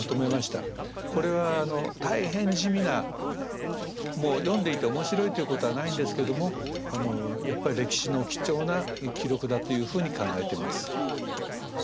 これは大変地味な読んでいて面白いということはないんですけどもやっぱり歴史の貴重な記録だというふうに考えてます。